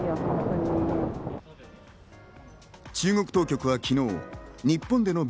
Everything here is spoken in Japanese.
中国当局は昨日、日本でのビ